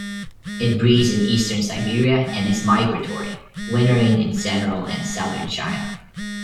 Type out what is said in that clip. It breeds in eastern Siberia and is migratory, wintering in central and southern China.